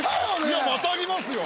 いやまたぎますよ。